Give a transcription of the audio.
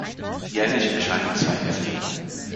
Jährlich erscheinen zwei Hefte.